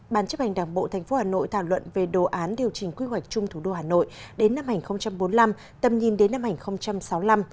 ban chấp hành đảng bộ tp hà nội thảo luận về đồ án điều chỉnh quy hoạch chung thủ đô hà nội đến năm hai nghìn bốn mươi năm tầm nhìn đến năm hai nghìn sáu mươi năm